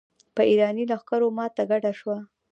په اېراني لښکرو ماته ګډه شوه.